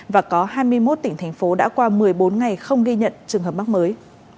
và có hai mươi một tỉnh thành phố đã qua một mươi bốn ngày không ghi nhận trường hợp mắc mới